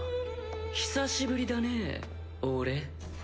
久しぶりだね俺。